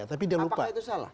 apakah itu salah